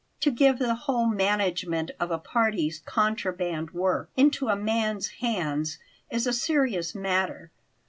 To give the whole management of a party's contraband work into a man's hands is a serious matter.